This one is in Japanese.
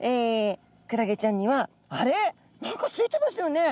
クラゲちゃんにはあれっ？何かついてましたよね？